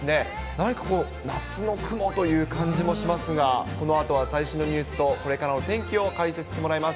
何かこう、夏の雲という感じもしますが、このあとは最新のニュースと、これからの天気を解説してもらいます。